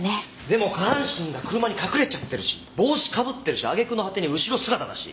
でも下半身が車に隠れちゃってるし帽子被ってるし揚げ句の果てに後ろ姿だし。